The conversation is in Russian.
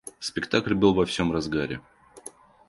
Спектакль был во всем разгаре.